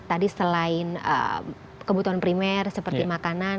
tadi selain kebutuhan primer seperti makanan